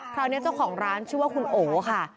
คราวนี้เจ้าของร้านชื่อว่าคุณโอค่ะ